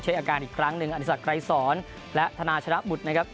อาการอีกครั้งหนึ่งอธิสักไกรสอนและธนาชนะบุตรนะครับ